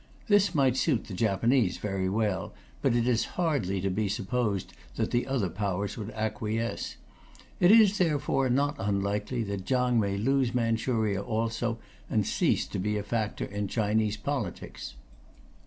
This might suit the Japanese very well, but it is hardly to be supposed that the other Powers would acquiesce. It is, therefore, not unlikely that Chang may lose Manchuria also, and cease to be a factor in Chinese politics.